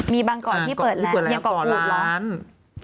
มีบางก่อนที่เปิดแล้วยังเกาะกูดเหรอ